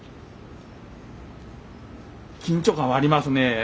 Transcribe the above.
緊張感はありますね。